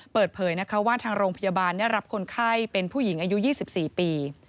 เปิดเผยนะคะว่าทางโรงพยาบาลได้รับคนไข้เป็นผู้หญิงอายุ๒๔ปี